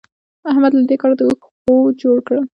احمد له دې کاره د اوښ غوو جوړ کړل.